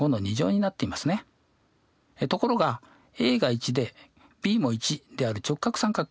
ところがが１でｂも１である直角三角形